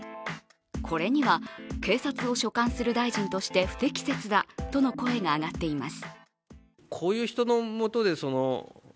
これには警察を所管する大臣として不適切だとの声が上がっています。